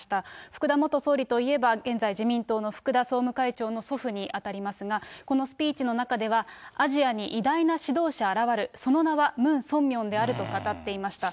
福田元総理といえば、現在自民党の福田総務会長の祖父に当たりますが、このスピーチの中では、アジアに偉大な指導者現る、その名はムン・ソンミョンであると語っていました。